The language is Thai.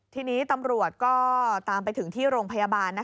ทีนี้ตำรวจก็ตามไปถึงที่โรงพยาบาล